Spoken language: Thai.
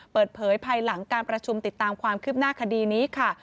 เปิดเผยภายหลังการประชุมติดตามความคืบหน้าคดีนี้ค่ะ